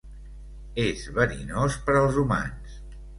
És verinós per als humans.